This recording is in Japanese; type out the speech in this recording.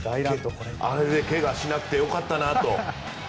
あれでけがしなくて良かったなと。